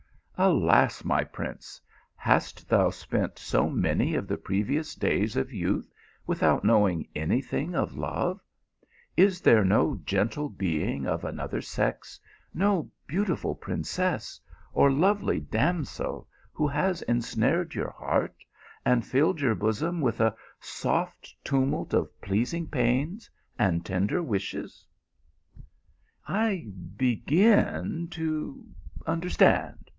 Alas, my prince ! hast thou spent so many of the precious days of youth without knowing any thing of love ! Is there no geni e be ing of another sex ; no beautiful princess, or lovely damsel who has ensnared your heart, and filled your bosom with a soft tumult of pleasing pains and ten der wishes ?"" I begin to understand